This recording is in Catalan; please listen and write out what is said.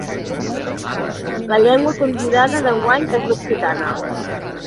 La llengua convidada d'enguany és l'occitana.